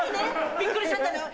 びっくりしちゃったのよ。